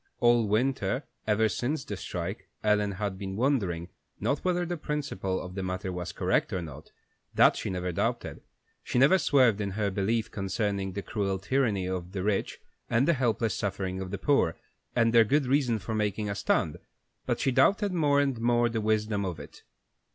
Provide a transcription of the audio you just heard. All winter, ever since the strike, Ellen had been wondering, not whether the principle of the matter was correct or not, that she never doubted; she never swerved in her belief concerning the cruel tyranny of the rich and the helpless suffering of the poor, and their good reason for making a stand, but she doubted more and more the wisdom of it.